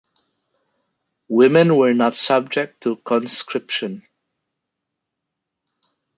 Women were not subject to conscription.